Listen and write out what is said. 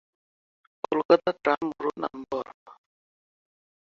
Kolkata tram route number.